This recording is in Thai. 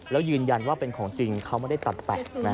แล้วยืนยันว่าเป็นของจริงเขาไม่ได้ตัดแปะ